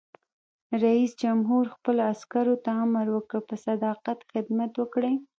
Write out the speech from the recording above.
رئیس جمهور خپلو عسکرو ته امر وکړ؛ په صداقت خدمت وکړئ!